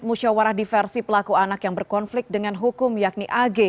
musyawarah diversi pelaku anak yang berkonflik dengan hukum yakni ag